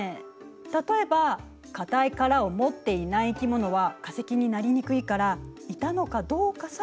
例えば硬い殻を持っていない生き物は化石になりにくいからいたのかどうかさえ分からない。